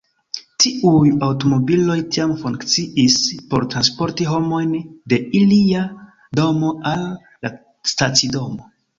Tiuj aŭtomobiloj tiam funkciis por transporti homojn de ilia domo al la stacidomo.